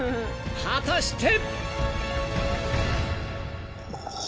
［果たして！］